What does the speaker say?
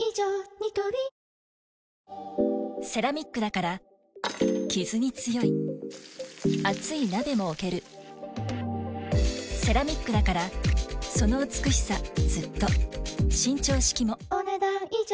ニトリセラミックだからキズに強い熱い鍋も置けるセラミックだからその美しさずっと伸長式もお、ねだん以上。